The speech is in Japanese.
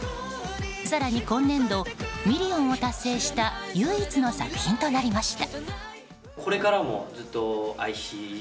更に今年度、ミリオンを達成した唯一の作品となりました。